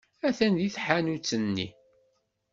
Atan deg tḥanut-nni.